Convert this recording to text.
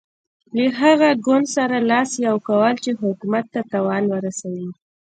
له هغه ګوند سره لاس یو کول چې حکومت ته تاوان ورسوي.